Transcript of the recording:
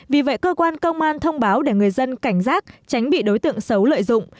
vì vậy cơ quan công an thông báo để người dân cảnh giác tránh bị đối tượng xấu lợi dụng